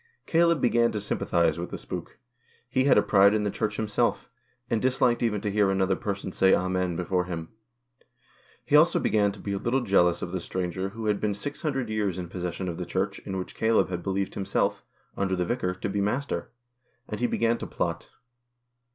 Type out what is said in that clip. Caleb began to sympathise with the spook. He had a pride in the Church himself, and dis liked even to hear another person say Amen before him. He also began to be a little jealous of this stranger who had been six hundred years 183 GHOST TALES. in possession of the Church, in which Caleb had believed himself, under the Vicar, to be master. And he began to plot.